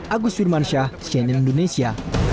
agus wirmansyah cnn indonesia